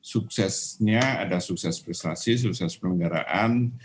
suksesnya ada sukses prestasi sukses penyelenggaraan